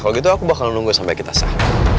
kalau gitu aku bakal menunggu sampai kita sah